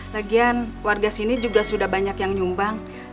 lagian warga sini juga sudah banyak yang nyumbang